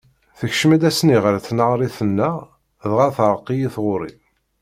Tekcem-d ass-nni ɣer tneɣrit-nneɣ, dɣa teɛreq-iyi tɣuri.